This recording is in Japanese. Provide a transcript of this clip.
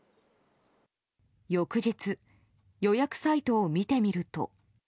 翌日、予約サイトを見てみると。